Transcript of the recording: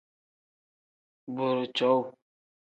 Booroo cowuu.